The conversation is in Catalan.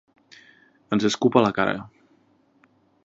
Ens escup a la cara.